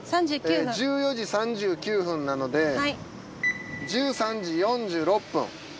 １４時３９分なので１３時４６分。